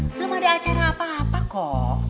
belum ada acara apa apa kok